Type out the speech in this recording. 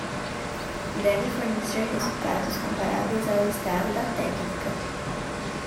Deve fornecer resultados comparáveis ao estado da técnica.